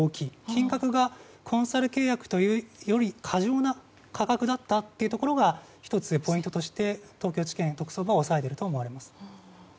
金額がコンサル契約というより過剰な価格だったというところが１つポイントとして東京地検特捜部は押さえていると思います。